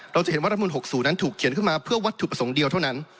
เราจะเห็นว่ารัฐมน๖๐นั้นถูกเขียนขึ้นมาเพื่อวัตถุประสงค์เดียวเท่านั้น